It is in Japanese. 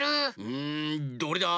うんどれだ？